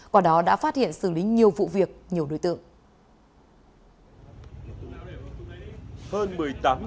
quả đó đã phát hiện xử lý nhiều vụ việc nhiều đối tượng